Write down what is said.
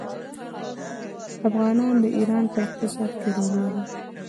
افغانان د ایران په اقتصاد کې رول لري.